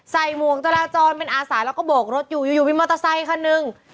หมวกจราจรเป็นอาสาแล้วก็โบกรถอยู่อยู่มีมอเตอร์ไซคันหนึ่ง